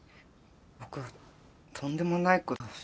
僕とんでもないことし。